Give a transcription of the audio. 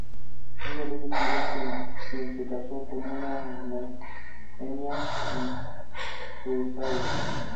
Uno de ellos fue Iván quien se casó con una armenia en Cesárea.